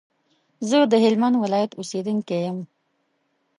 زه د هلمند ولايت اوسېدونکی يم